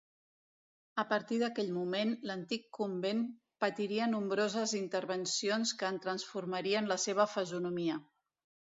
A partir d'aquell moment l'antic convent patiria nombroses intervencions que en transformarien la seva fesomia.